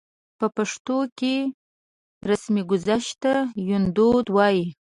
په پښتو کې رسمګذشت ته يوندود وايي.